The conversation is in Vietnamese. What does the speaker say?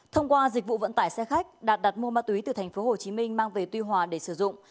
thông qua dịch vụ vận tải xe khách đạt đặt mua ma túy từ tp hồ chí minh mang về tuy hòa để sử dụng